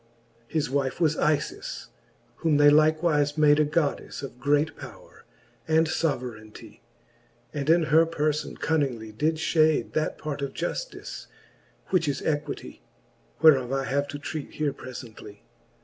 His wife was Ifis^ whom they likewife made A Goddeflfe of great powre and foverainty, And in her perfon cunningly did fhade That part of jaftice, which is Equity, Whereof I have to treat here prelently.